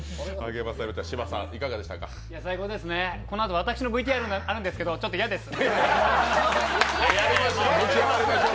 最高ですね、このあと私のＶＴＲあるんですけど、ちょっと嫌です。